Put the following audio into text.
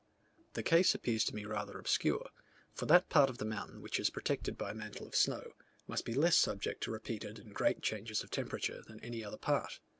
The case appears to me rather obscure: for that part of the mountain which is protected by a mantle of snow, must be less subject to repeated and great changes of temperature than any other part.